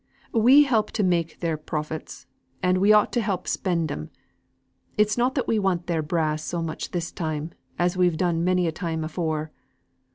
We help to make their profits, and we ought to help spend 'em. It's not that we want their brass so much this time, as we've done many a time afore.